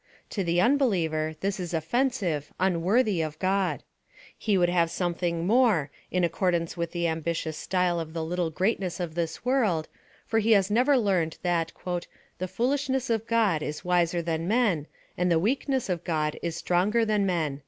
To the unbeliever, this is offensive, unworthy of God. He would have some thing more in accordance with the ambitious style of the little greatness of this vvorld, for he has never learned that the foolishTiess of God is wiser than men, and the weakness of God is stronger than men.